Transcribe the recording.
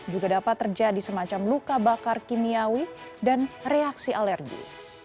juga dapat terjadi semacam luka bakar kimiawi dan reaksi alergi